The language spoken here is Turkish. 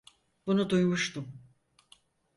Bunu duymuştum.